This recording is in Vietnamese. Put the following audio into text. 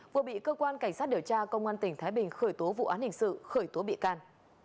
vừa bị cơ quan cảnh sát điều tra công an tỉnh thái bình khởi tố vụ án hình sự khởi tố bị can